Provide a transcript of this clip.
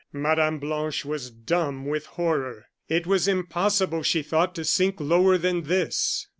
Mme. Blanche was dumb with horror. It was impossible, she thought, to sink lower than this.